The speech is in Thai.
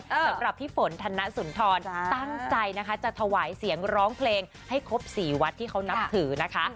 สำหรับพี่ฝนธนสุนทรตั้งใจนะคะจะถวายเสียงร้องเพลงให้ครบ๔วัดที่เขานับถือนะคะ